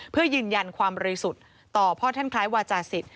เพื่อยืนยันความบริสุทธิ์ต่อพ่อท่านคล้ายวาจาศิษย